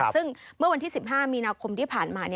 ซึ่งเมื่อวันที่๑๕มีนาคมที่ผ่านมา